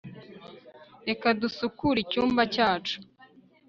reka dusukure icyumba cyacu